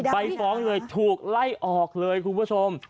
ไปฟ้องเลยถูกไล่ออกเลยคุณผู้ชม